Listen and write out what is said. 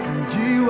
aku akan pergi